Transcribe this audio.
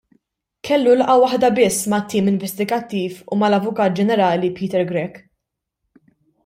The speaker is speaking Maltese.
Kellu laqgħa waħda biss mat-tim investigattiv u mal-Avukat Ġenerali Peter Grech.